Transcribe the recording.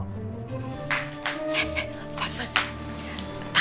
eh eh bapak